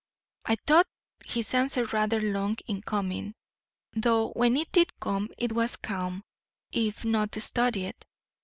I thought his answer rather long in coming, though when it did come it was calm, if not studied.